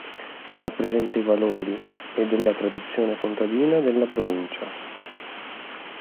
Rappresenta i valori e della tradizione contadina della provincia.